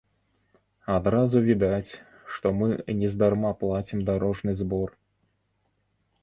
Адразу відаць, што мы нездарма плацім дарожны збор!